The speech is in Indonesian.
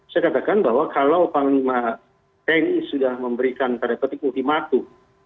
saya katakan bahwa kalau panglima tni sudah memberikan tanda petik ultimatum